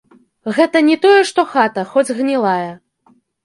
Гэта ні тое што хата, хоць гнілая.